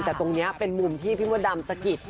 แต่ตรงนี้เป็นมุมที่พี่มดดำสะกิด